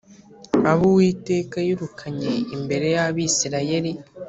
abo Uwiteka yirukanye imbere y’Abisirayeli